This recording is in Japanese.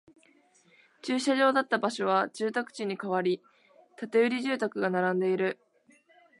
駐車場だった場所は住宅地に変わり、建売住宅が並んでいる